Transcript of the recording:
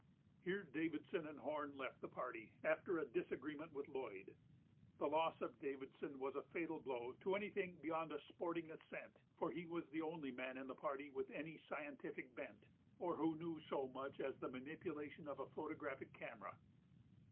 Here Davidson and Horne left the party after a disagreement with Lloyd. The loss of Davidson was a fatal blow to anything beyond a "sporting" ascent, for he was the only man in the party with any scientific bent, or who knew so much as the manipulation of a photographic camera.